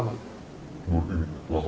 sama ngintainya lima menit enam menit kan